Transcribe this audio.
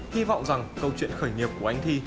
hy vọng rằng câu chuyện khởi nghiệp của anh thi